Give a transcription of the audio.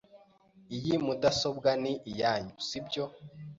Iyi mudasobwa ni iyanyu, sibyo?